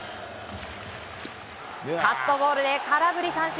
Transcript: カットボールで空振り三振。